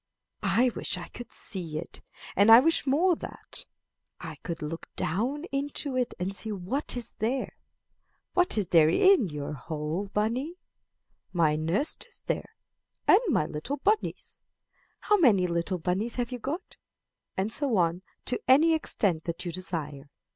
I wish I could see it, and I wish more that I could look down into it and see what is there. What is there in your hole, bunny? My nest is there, and my little bunnies. How many little bunnies have you got?'" And so on, to any extent that you desire.